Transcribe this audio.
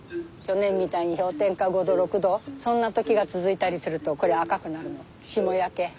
去年みたいに氷点下５度６度そんな時が続いたりするとこれ赤くなるの霜焼け。